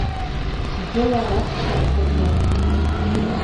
Ҳжәылароуп шарԥазы.